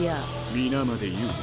皆まで言うな。